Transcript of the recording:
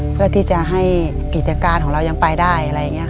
เพื่อที่จะให้กิจการของเรายังไปได้